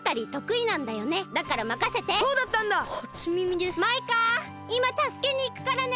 いまたすけにいくからね！